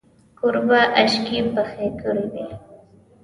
کوربه اشکې پخې کړې وې.